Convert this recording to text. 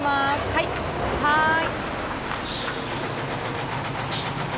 はいはい。